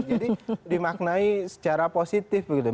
jadi dimaknai secara positif begitu